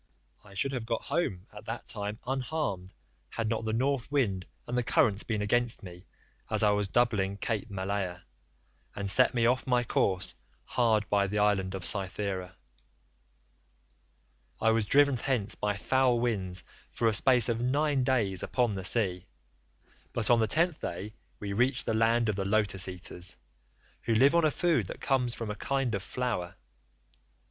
I should have got home at that time unharmed had not the North wind and the currents been against me as I was doubling Cape Malea, and set me off my course hard by the island of Cythera. "I was driven thence by foul winds for a space of nine days upon the sea, but on the tenth day we reached the land of the Lotus eaters, who live on a food that comes from a kind of flower.